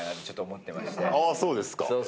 そうですか。